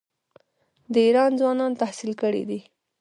د ایران ځوانان تحصیل کړي دي.